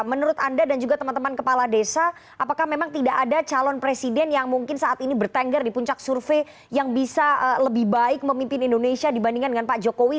menurut anda dan juga teman teman kepala desa apakah memang tidak ada calon presiden yang mungkin saat ini bertengger di puncak survei yang bisa lebih baik memimpin indonesia dibandingkan dengan pak jokowi